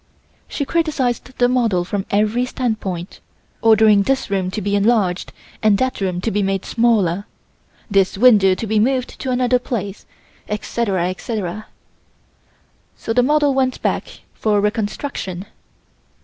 She criticised the model from every standpoint, ordering this room to be enlarged and that room to be made smaller: this window to be moved to another place, etc., etc. So the model went back for reconstruction.